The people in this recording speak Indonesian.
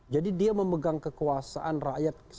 jadi dia memegang kekuasaan rakyat seluruhnya